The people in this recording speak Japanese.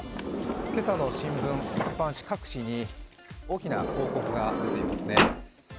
今朝の新聞、一般紙各紙に大きな広告が出ていますね。